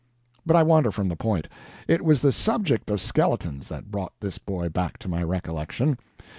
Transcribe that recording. But I wander from the point. It was the subject of skeletons that brought this boy back to my recollection.